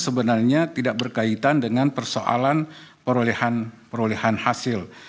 sebenarnya tidak berkaitan dengan persoalan perolehan hasil